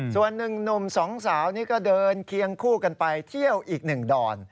ส่วนหนึ่งหนุ่มสองสาวนี่ก็เดินเคียงคู่กันไปเที่ยวอีกหนึ่งดอน